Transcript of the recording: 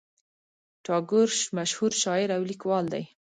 ټاګور مشهور شاعر او لیکوال دی.